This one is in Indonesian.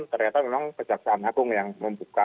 ternyata memang kejaksaan agung yang membuka